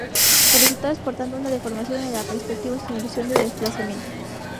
El resultado es por tanto una deformación de la perspectiva sin ilusión de desplazamiento.